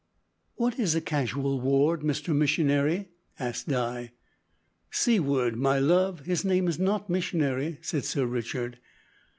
"What is a casual ward, Mr Missionary?" asked Di. "Seaward, my love, his name is not Missionary," said Sir Richard.